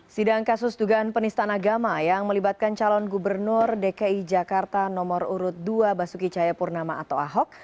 sidang kasus dugaan penistaan agama yang melibatkan calon gubernur dki jakarta nomor urut dua basuki cahayapurnama atau ahok